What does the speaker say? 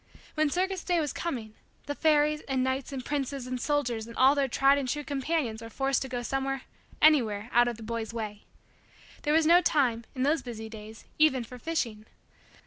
When circus day was coming, the fairies and knights and princes and soldiers and all their tried and true companions were forced to go somewhere anywhere out of the boy's way. There was no time, in those busy days, even for fishing.